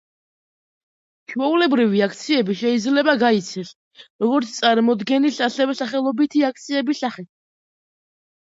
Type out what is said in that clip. ჩვეულებრივი აქციები შეიძლება გაიცეს როგორც წარმოდგენის, ასევე სახელობითი აქციების სახით.